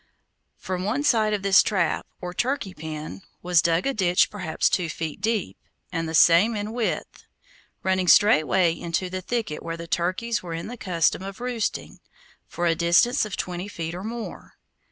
From one side of this trap, or turkey pen, was dug a ditch perhaps two feet deep, and the same in width, running straightway into the thicket where the turkeys were in the custom of roosting, for a distance of twenty feet or more.